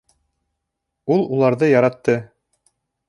Ул уларҙы яратты.